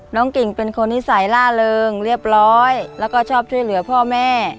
กิ่งเป็นคนนิสัยล่าเริงเรียบร้อยแล้วก็ชอบช่วยเหลือพ่อแม่